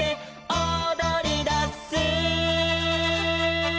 「おどりだす」